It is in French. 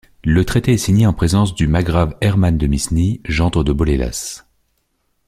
Le traité est signé en présence du margrave Hermann de Misnie, gendre de Boleslas.